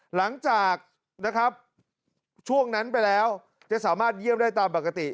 หลังจากนะครับช่วงนั้นไปแล้วจะสามารถเยี่ยมได้ตามปกติ